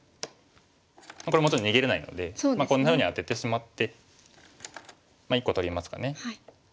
これもちろん逃げれないのでこんなふうにアテてしまって１個取りますかね。